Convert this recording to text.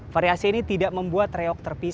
variasi ini tidak membuat riau berpengalaman